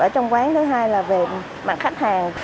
ở trong quán thứ hai là về mặt khách hàng